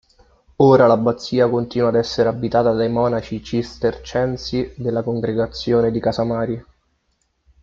Ora l'abbazia continua ad essere abitata dai monaci cistercensi della congregazione di Casamari.